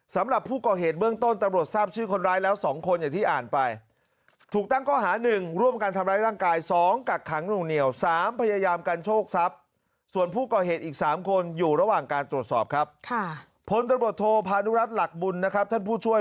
สำหรับผู้ก่อเหตุเบื้องต้นตำรวจทราบชื่อคนร้ายแล้ว๒คนอย่างที่อ่านไปถูกตั้งข้อหา๑ร่วมกันทำร้ายร่างกาย๒กักขังหน่วงเหนียว๓พยายามกันโชคทรัพย์ส่วนผู้ก่อเหตุอีก๓คนอยู่ระหว่างการตรวจสอบครับค่ะพลตำรวจโทพานุรัติหลักบุญนะครับท่านผู้ช่วย